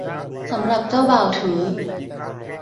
สำหรับเจ้าบ่าวถือ